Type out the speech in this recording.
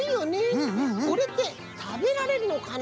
これってたべられるのかな？